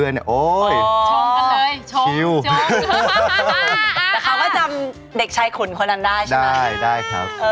อ๋อเป็นเด็กอ้วนเหรออ๋อเป็นเด็กอ้วนเหรอ